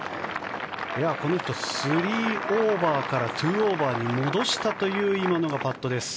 この人は３オーバーから２オーバーに戻したという今のパットです。